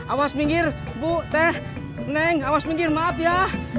awas minggir bu teh neng awas minggir maaf ya